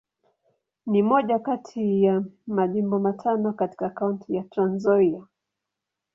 Ni moja kati ya Majimbo matano katika Kaunti ya Trans-Nzoia.